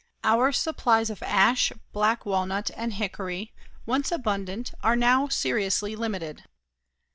Our supplies of ash, black walnut and hickory, once abundant, are now seriously limited.